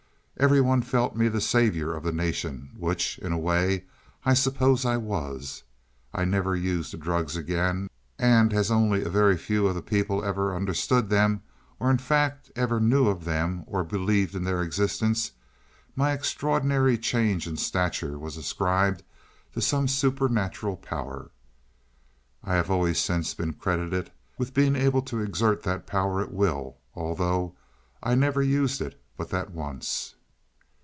Every one felt me the savior of the nation, which, in a way, I suppose I was. I never used the drugs again and, as only a very few of the people ever understood them, or in fact ever knew of them or believed in their existence, my extraordinary change in stature was ascribed to some supernatural power. I have always since been credited with being able to exert that power at will, although I never used it but that once."